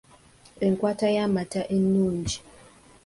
Enkwata y’amata ennungi.